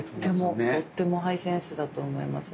とってもハイセンスだと思います。